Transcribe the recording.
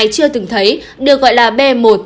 chưa từng thấy được gọi là b một một năm trăm hai mươi chín